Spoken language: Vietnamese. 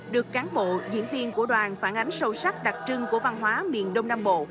được cán bộ diễn viên của đoàn phản ánh sâu sắc đặc trưng của văn hóa miền đông nam bộ